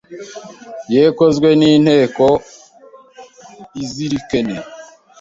yekozwe n’Inteko Izirikene;